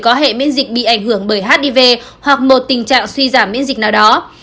có hệ miễn dịch bị ảnh hưởng bởi hiv hoặc một tình trạng suy giảm miễn dịch nào đó